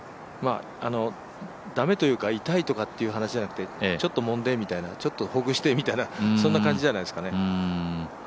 駄目というか痛いっていう話じゃなくてちょっともんでみたいな、ちょっとほぐしてみたいな、そんな感じじゃないですかね。